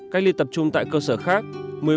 cách ly tại nhà và nơi lưu trú sáu sáu trăm linh ba người